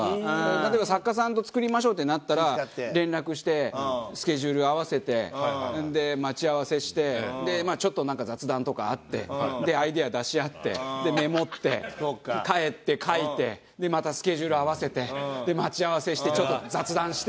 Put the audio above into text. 例えば作家さんと作りましょうってなったら連絡してスケジュール合わせてほんで待ち合わせしてでまあちょっとなんか雑談とかあってアイデア出し合ってメモって帰って書いてでまたスケジュール合わせて待ち合わせしてちょっと雑談して。